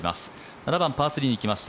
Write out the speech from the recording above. ７番、パー３に来ました。